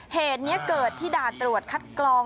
เหตุนี้เกิดที่ด่านตรวจคัดกรอง